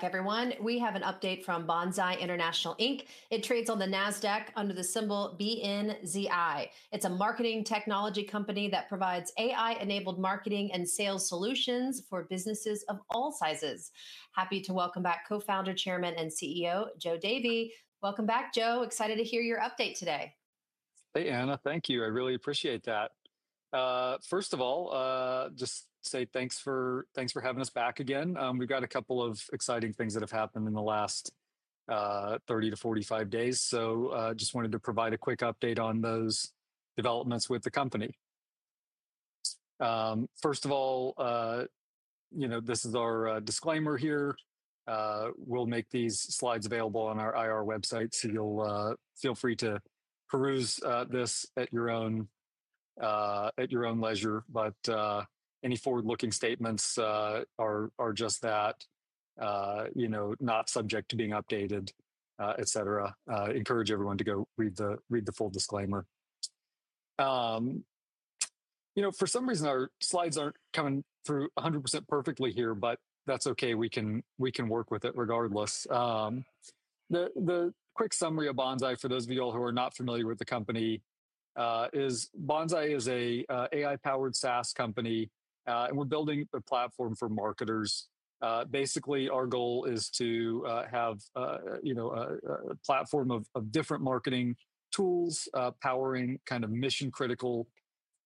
Everyone, we have an update from Banzai International Inc. It trades on the NASDAQ under the symbol BNZI. It's a marketing technology company that provides AI-enabled marketing and sales solutions for businesses of all sizes. Happy to welcome back Co-founder, Chairman, and CEO, Joe Davy. Welcome back, Joe. Excited to hear your update today. Hey, Anna, thank you. I really appreciate that. First of all, just say thanks for having us back again. We've got a couple of exciting things that have happened in the last 30 to 45 days. I just wanted to provide a quick update on those developments with the company. First of all, this is our disclaimer here. We'll make these slides available on our IR website, so you'll feel free to peruse this at your own leisure. Any forward-looking statements are just that, not subject to being updated, etc. Encourage everyone to go read the full disclaimer. For some reason, our slides aren't coming through 100% perfectly here, but that's okay. We can work with it regardless. The quick summary of Banzai for those of you all who are not familiar with the company is Banzai is an AI-powered SaaS company, and we're building a platform for marketers. Basically, our goal is to have a platform of different marketing tools, powering kind of mission-critical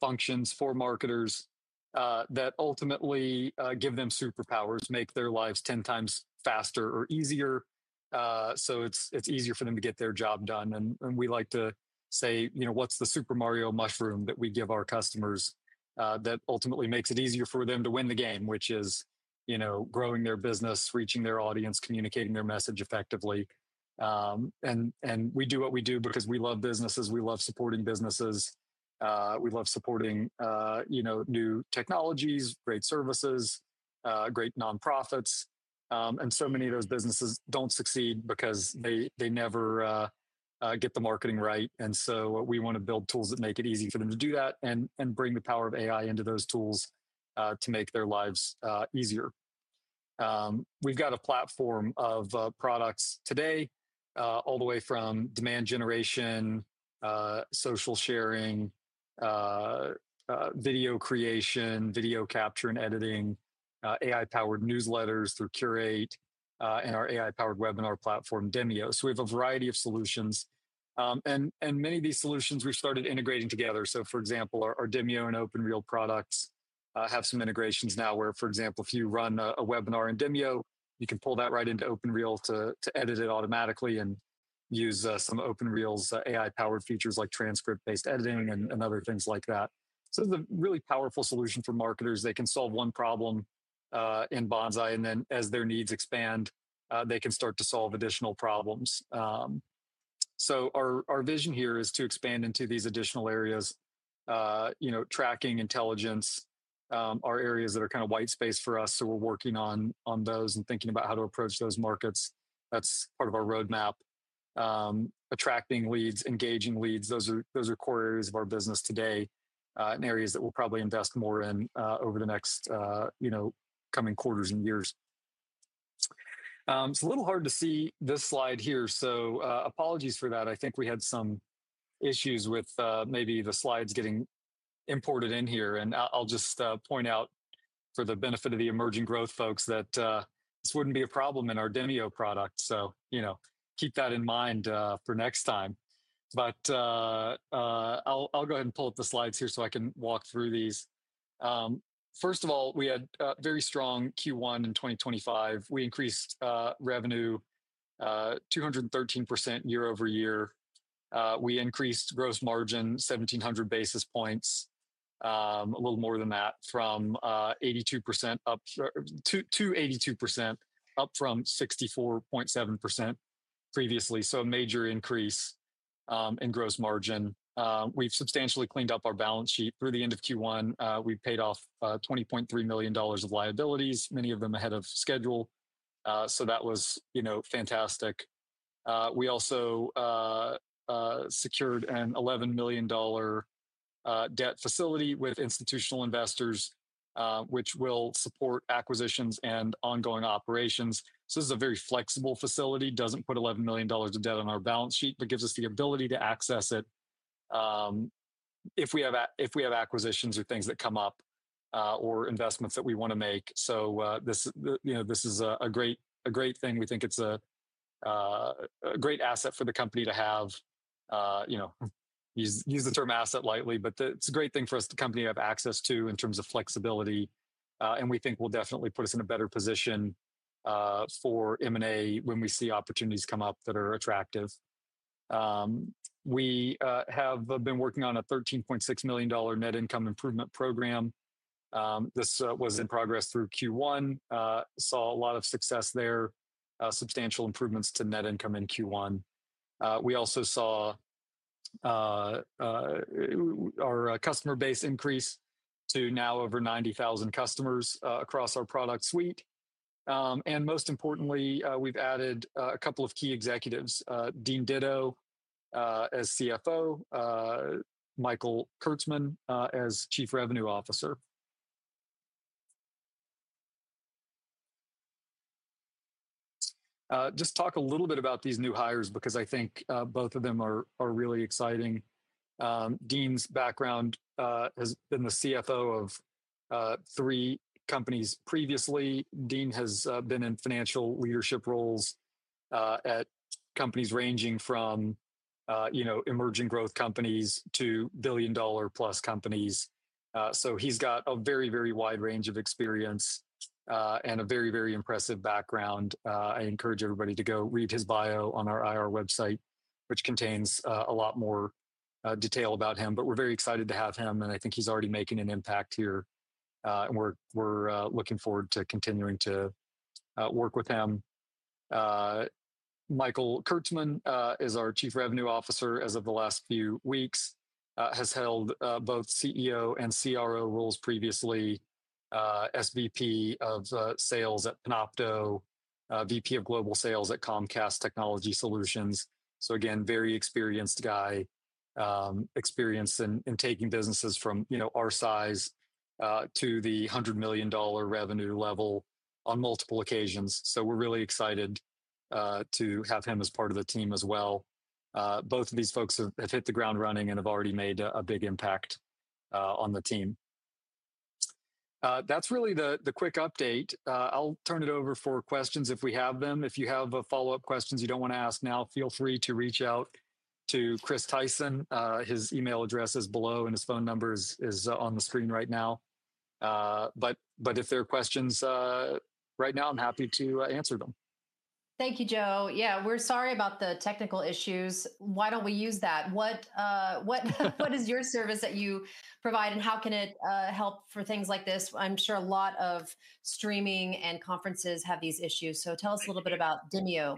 functions for marketers that ultimately give them superpowers, make their lives 10 times faster or easier, so it's easier for them to get their job done. We like to say, what's the Super Mario mushroom that we give our customers that ultimately makes it easier for them to win the game, which is growing their business, reaching their audience, communicating their message effectively. We do what we do because we love businesses. We love supporting businesses. We love supporting new technologies, great services, great nonprofits. So many of those businesses don't succeed because they never get the marketing right. We want to build tools that make it easy for them to do that and bring the power of AI into those tools to make their lives easier. We've got a platform of products today, all the way from demand generation, social sharing, video creation, video capture and editing, AI-powered newsletters through Curate, and our AI-powered webinar platform, Demio. We have a variety of solutions, and many of these solutions we started integrating together. For example, our Demio and OpenReel products have some integrations now where, for example, if you run a webinar in Demio, you can pull that right into OpenReel to edit it automatically and use some of OpenReel's AI-powered features like transcript-based editing and other things like that. It's a really powerful solution for marketers. They can solve one problem in Banzai, and then as their needs expand, they can start to solve additional problems. Our vision here is to expand into these additional areas, you know, tracking intelligence, are areas that are kind of white space for us. We're working on those and thinking about how to approach those markets. That's part of our roadmap. Attracting leads, engaging leads, those are core areas of our business today, and areas that we'll probably invest more in over the next coming quarters and years. It's a little hard to see this slide here. Apologies for that. I think we had some issues with maybe the slides getting imported in here. I'll just point out for the benefit of the emerging growth folks that this wouldn't be a problem in our Demio product. Keep that in mind for next time. I'll go ahead and pull up the slides here so I can walk through these. First of all, we had a very strong Q1 in 2025. We increased revenue 213% year-over-year. We increased gross margin 1,700 basis points, a little more than that, from 82% up from 64.7% previously. So a major increase in gross margin. We've substantially cleaned up our balance sheet through the end of Q1. We paid off $20.3 million of liabilities, many of them ahead of schedule. That was fantastic. We also secured an $11 million debt facility with institutional investors, which will support acquisitions and ongoing operations. This is a very flexible facility. It doesn't put $11 million of debt on our balance sheet, but gives us the ability to access it if we have acquisitions or things that come up, or investments that we want to make. This is a great thing. We think it's a great asset for the company to have. Use the term asset lightly, but it's a great thing for us, the company, to have access to in terms of flexibility. We think it will definitely put us in a better position for M&A when we see opportunities come up that are attractive. We have been working on a $13.6 million net income improvement program. This was in progress through Q1. Saw a lot of success there, substantial improvements to net income in Q1. We also saw our customer base increase to now over 90,000 customers across our product suite. Most importantly, we've added a couple of key executives: Dean Ditto as Chief Financial Officer, Michael Kurtzman as Chief Revenue Officer. I'll just talk a little bit about these new hires because I think both of them are really exciting. Dean's background has been the Chief Financial Officer of three companies previously. Dean has been in financial leadership roles at companies ranging from, you know, emerging growth companies to billion-dollar-plus companies. He's got a very, very wide range of experience and a very, very impressive background. I encourage everybody to go read his bio on our IR website, which contains a lot more detail about him. We're very excited to have him, and I think he's already making an impact here. We're looking forward to continuing to work with him. Michael Kurtzman is our Chief Revenue Officer as of the last few weeks. He has held both CEO and CRO roles previously, SVP of Sales at Panopto, VP of Global Sales at Comcast Technology Solutions. Again, very experienced guy, experienced in taking businesses from, you know, our size to the $100 million revenue level on multiple occasions. We're really excited to have him as part of the team as well. Both of these folks have hit the ground running and have already made a big impact on the team. That's really the quick update. I'll turn it over for questions if we have them. If you have follow-up questions you don't want to ask now, feel free to reach out to Chris Tyson. His email address is below, and his phone number is on the screen right now. If there are questions right now, I'm happy to answer them. Thank you, Joe. We're sorry about the technical issues. Why don't we use that? What is your service that you provide and how can it help for things like this? I'm sure a lot of streaming and conferences have these issues. Tell us a little bit about Demio.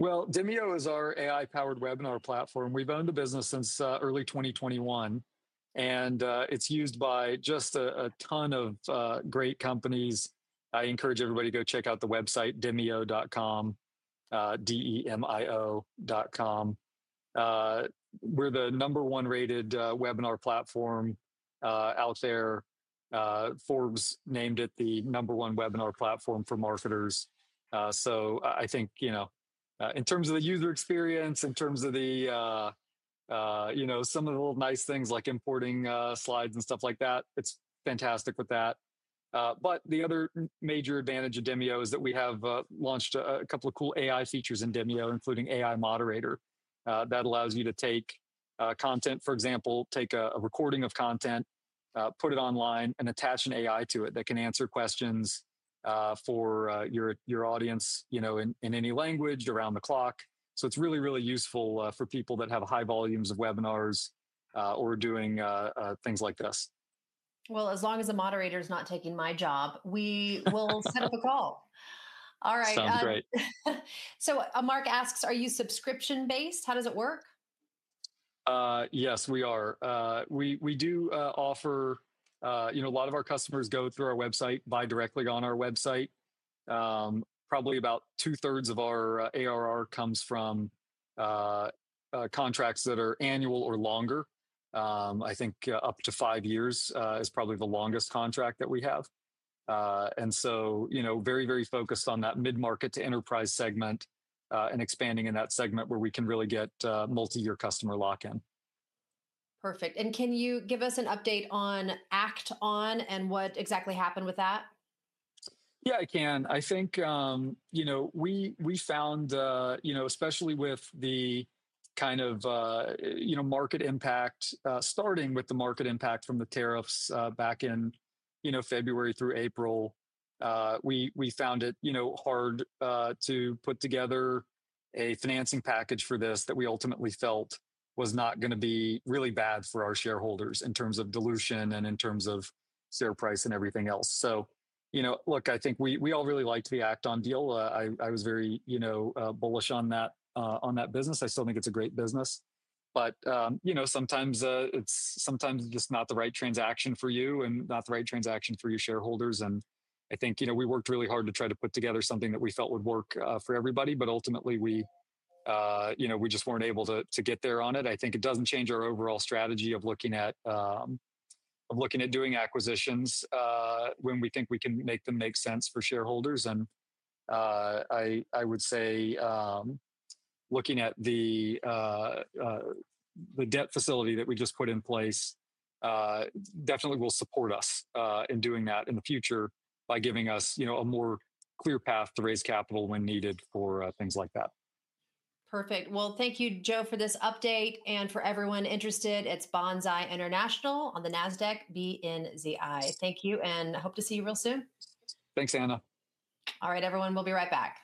Demio is our AI-powered webinar platform. We've owned the business since early 2021, and it's used by just a ton of great companies. I encourage everybody to go check out the website, demio.com. We're the number one rated webinar platform out there. Forbes named it the number one webinar platform for marketers. I think, you know, in terms of the user experience, in terms of some of the little nice things like importing slides and stuff like that, it's fantastic with that. The other major advantage of Demio is that we have launched a couple of cool AI features in Demio, including AI Moderator, that allows you to take content, for example, take a recording of content, put it online, and attach an AI to it that can answer questions for your audience, you know, in any language around the clock. It's really, really useful for people that have high volumes of webinars, or doing things like this. As long as the AI Moderator is not taking my job, we will set up a call. All right. Sounds great. Mark asks, are you subscription-based? How does it work? Yes, we are. We do offer, you know, a lot of our customers go through our website, buy directly on our website. Probably about two-thirds of our ARR comes from contracts that are annual or longer. I think up to five years is probably the longest contract that we have. You know, very, very focused on that mid-market to enterprise segment and expanding in that segment where we can really get multi-year customer lock-in. Perfect. Can you give us an update on Act-On Software and what exactly happened with that? Yeah, I can. I think we found, especially with the kind of market impact, starting with the market impact from the tariffs back in February through April, we found it hard to put together a financing package for this that we ultimately felt was not going to be really bad for our shareholders in terms of dilution and in terms of share price and everything else. I think we all really liked the Act-On Software deal. I was very bullish on that business. I still think it's a great business. Sometimes, it's just not the right transaction for you and not the right transaction for your shareholders. I think we worked really hard to try to put together something that we felt would work for everybody. Ultimately, we just weren't able to get there on it. I think it doesn't change our overall strategy of looking at doing acquisitions when we think we can make them make sense for shareholders. I would say, looking at the debt facility that we just put in place, it definitely will support us in doing that in the future by giving us a more clear path to raise capital when needed for things like that. Perfect. Thank you, Joe, for this update and for everyone interested. It's Banzai International on the NASDAQ: BNZI. Thank you and hope to see you real soon. Thanks, Anna. All right, everyone. We'll be right back.